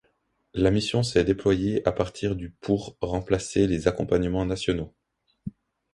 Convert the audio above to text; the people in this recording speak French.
La mission s'est déployée à partir du pour remplacer les accompagnements nationaux.